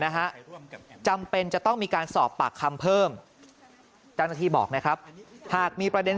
นะฮะจำเป็นจะต้องมีการสอบปากคำเพิ่มเจ้าหน้าที่บอกนะครับหากมีประเด็น